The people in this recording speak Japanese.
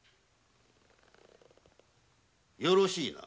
よろしいな。